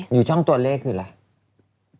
อยู่ช่องตัวเลขคืออะไร